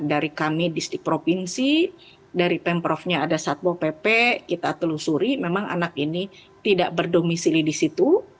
dari kami distrik provinsi dari pemprovnya ada satpol pp kita telusuri memang anak ini tidak berdomisili di situ